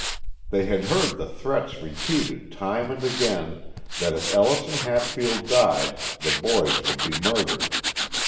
They had heard the threats repeated time and again that if Ellison Hatfield died, the boys would be murdered.